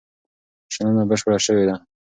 شننه بشپړه شوې ده.